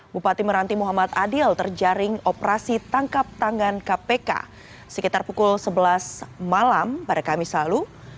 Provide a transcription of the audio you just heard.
bupati meranti muhammad adil terjaring operasi tangkap tangan kpk sekitar pukul sebelas malam pada kamis lalu